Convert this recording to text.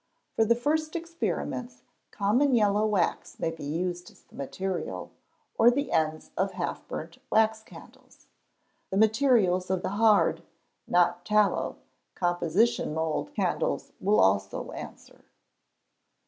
For the first experiments, common yellow wax may be used as the material, or the ends of half burnt wax candles. The materials of the hard (not tallow) composition mould candles will also answer.